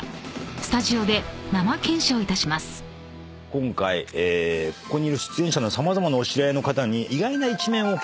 今回ここにいる出演者の様々なお知り合いの方に意外な一面を聞いてまいりました